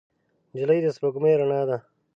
نجلۍ د سپوږمۍ رڼا ده.